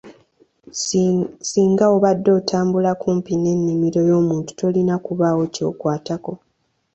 Singa obadde otambula kumpi n'ennimiro y'omuntu tolina kubaawo ky'okwatako.